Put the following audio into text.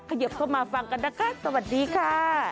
ยิบเข้ามาฟังกันนะคะสวัสดีค่ะ